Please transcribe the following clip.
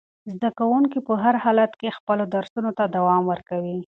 زده کوونکي په هر حالت کې خپلو درسونو ته دوام ورکوي.